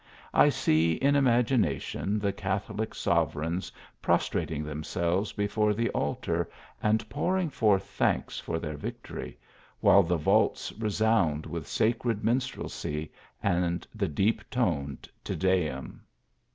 I see in imagination the Catholic sovereigns prostrating themselves before the altar and pouring forth thanks for their victory, while the vaults resound with sacred minstrelsy and the deep toned Te Deum.